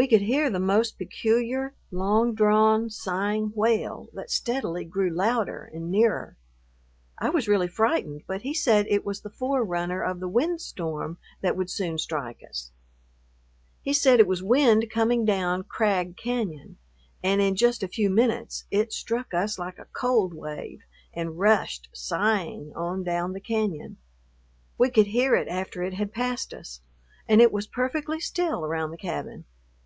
We could hear the most peculiar, long drawn, sighing wail that steadily grew louder and nearer. I was really frightened, but he said it was the forerunner of the windstorm that would soon strike us. He said it was wind coming down Crag Cañon, and in just a few minutes it struck us like a cold wave and rushed, sighing, on down the cañon. We could hear it after it had passed us, and it was perfectly still around the cabin.